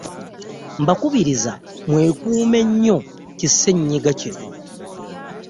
Mbakubiriza mwekume nnyo kisenyiga kino.